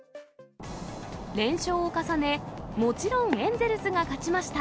連勝を重ね、もちろんエンゼルスが勝ちました。